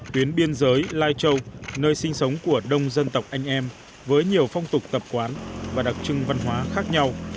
tuyến biên giới lai châu nơi sinh sống của đông dân tộc anh em với nhiều phong tục tập quán và đặc trưng văn hóa khác nhau